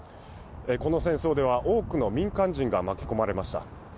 この戦争では多くの民間人が巻き込まれました。